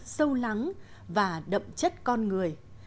sâu lắng và đậm chất con người